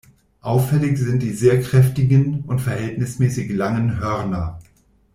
Auffällig sind die sehr kräftigen und verhältnismäßig langen Hörner.